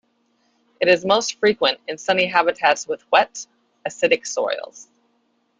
It is most frequent in sunny habitats with wet, acidic soils.